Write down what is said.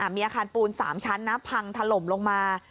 มีอาคารปูน๓ชั้นพังถล่มลงมา